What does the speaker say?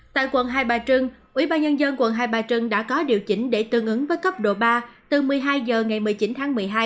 tại quận hai bà trưng ủy ban nhân dân quận hai bà trưng đã có điều chỉnh để tương ứng với cấp độ ba từ một mươi hai h ngày một mươi chín tháng một mươi hai